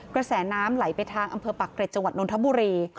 กระแสน้ำไหลไปทางอำเภอปากเกร็จจังหวัดนทบุรี